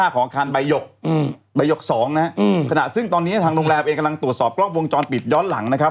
ของอาคารใบหยกอืมใบหยกสองนะฮะอืมขณะซึ่งตอนนี้ทางโรงแรมเองกำลังตรวจสอบกล้องวงจรปิดย้อนหลังนะครับ